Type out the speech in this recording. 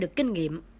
được kinh nghiệm